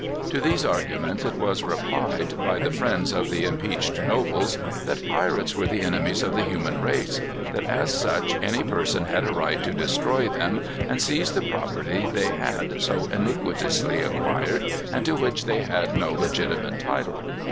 To these arguments it was replied, by the friends of the impeached nobles, that pirates were the enemies of the human race; that as such any person had a right to destroy them, and seize the property they had so iniquitously acquired, and to which they had no legitimate title.